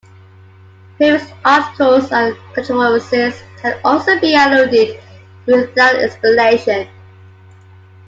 Previous articles and controversies can also be alluded to without explanation.